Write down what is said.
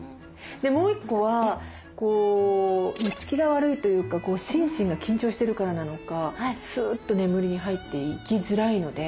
もう一個はこう寝つきが悪いというか心身が緊張してるからなのかスッと眠りに入っていきづらいので。